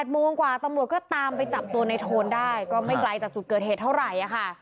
โมงกว่าตำรวจก็ตามไปจับตัวในโทนได้ก็ไม่ไกลจากจุดเกิดเหตุเท่าไหร่ค่ะ